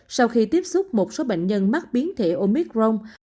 sau khi tiếp xúc một số bệnh nhân mắc biến thể omicron